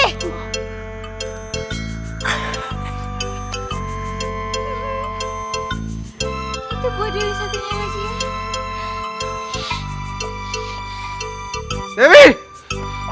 itu buat dewi satu lagi ya